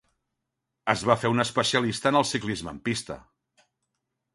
Es va fer un especialista en el ciclisme en pista.